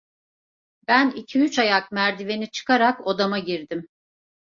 Ben iki üç ayak merdiveni çıkarak odama girdim.